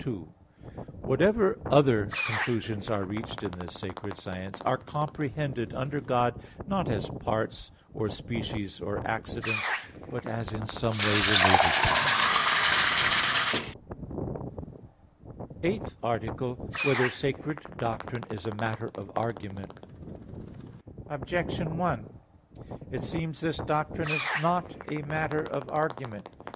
2: Whatever other conclusions are reached in this sacred science are comprehended under God, not as parts or species or accidents but as in some way related to Him. _______________________ EIGHTH ARTICLE [I, Q. 1, Art. 8] Whether Sacred Doctrine is a Matter of Argument? Objection 1: It seems this doctrine is not a matter of argument.